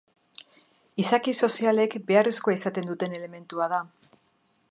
Izaki sozialek beharrezkoa izaten duten elementua da.